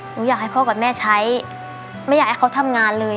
หนูอยากให้พ่อกับแม่ใช้ไม่อยากให้เขาทำงานเลย